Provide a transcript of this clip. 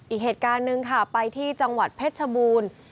อีกเหตุการณ์หนึ่งค่ะไปที่จังหวัดเพชรชบูรณ์